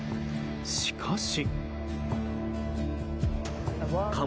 しかし。